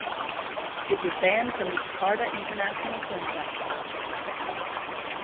It was banned from the Jakarta International Film Festival.